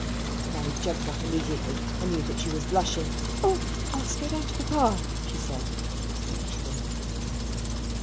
Mary jumped up immediately, and knew that she was blushing. "Oh! I must go down to papa," she said. And away she went.